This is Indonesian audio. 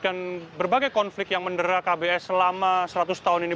dan berbagai konflik yang mendera kbs selama seratus tahun ini